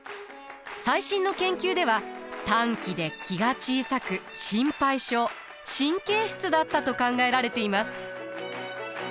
最新の研究では短気で気が小さく心配性神経質だったと考えられています。